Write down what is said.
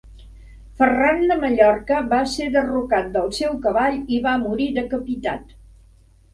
Ferran de Mallorca va ser derrocat del seu cavall i va morir decapitat.